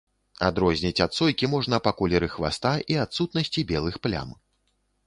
Адрозніць ад сойкі можна па колеры хваста і адсутнасці белых плям.